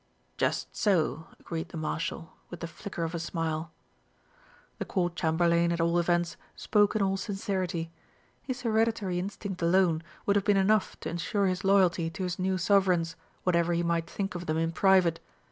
"Just so," agreed the Marshal, with the flicker of a smile. The Court Chamberlain, at all events, spoke in all sincerity. His hereditary instinct alone would have been enough to ensure his loyalty to his new Sovereigns, whatever he might think of them in private.